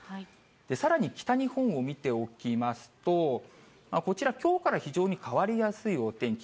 さらに北日本を見ておきますと、こちら、きょうから非常に変わりやすいお天気。